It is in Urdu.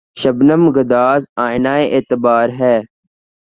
شبنم‘ گداز آئنۂ اعتبار ہے